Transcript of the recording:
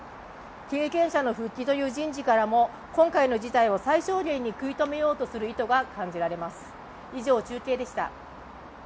経験者の復帰という人事からも今回の事態を最小限に食い止めようとする意図が感じられます。